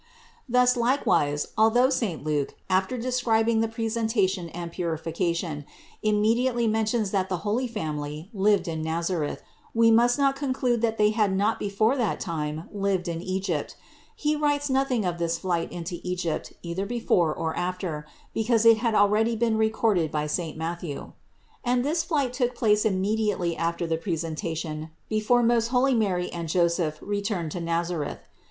Thus, likewise, although saint Luke, after describing the Presentation and Purification, immediately mentions that the holy Family lived in Nazareth, we must not conclude that they had not before that time lived in Egypt: he writes nothing of this flight into Egypt either before or after, because it had already been recorded by saint Mat thew. And this flight took place immediately after the 524 CITY OF GOD Presentation before most holy Mary and Joseph returned to Nazareth.